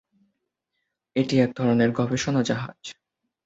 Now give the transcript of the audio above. এটি এক ধরনের গবেষণা জাহাজ।